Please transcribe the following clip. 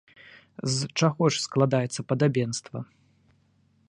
З чаго ж складаецца падабенства?